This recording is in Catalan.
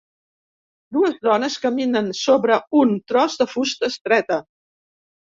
Dues dones caminen sobre un tros de fusta estreta.